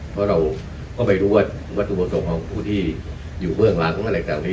เพราะเราก็ไปรวดวัตถุประสงค์ของผู้ที่อยู่เมืองล้างของเท่านี้